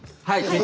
はい。